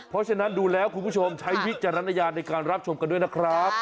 เพราะฉะนั้นดูแล้วคุณผู้ชมใช้วิจารณญาณในการรับชมกันด้วยนะครับ